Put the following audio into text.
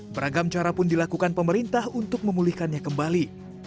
beragam carapun dilakukan pemerintah untuk memulihkannya kembali